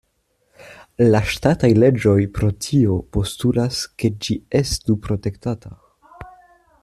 La ŝtataj leĝoj pro tio postulas ke ĝi estu protektata.